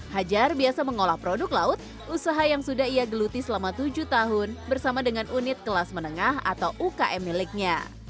hajar biasa mengolah produk laut usaha yang sudah ia geluti selama tujuh tahun bersama dengan unit kelas menengah atau ukm miliknya